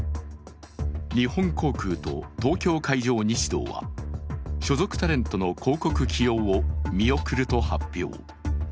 日本航空と東京海上日動は所属タレントの広告起用を見送ると発表。